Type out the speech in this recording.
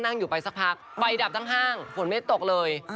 ก็นั่งอยู่ไปแบบไปเด็บทั้งห้างผลไม่ตกเลย